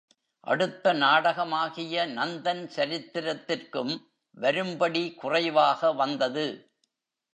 அடுத்த நாடகமாகிய நந்தன் சரித்திரத்திற்கும் வரும்படி குறைவாக வந்தது.